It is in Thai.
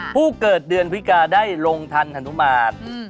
ผู้เกิดเดือนพิกาได้ลงทันฮนุมาตร